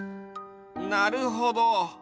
なるほど。